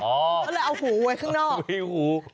ก็เลยเอาหูไว้ข้างนอกมีหู